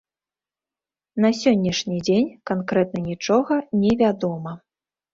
На сённяшні дзень канкрэтна нічога не вядома.